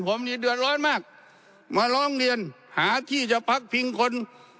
ผมนี่เดือดร้อนมากมาร้องเรียนหาที่จะพักพิงคน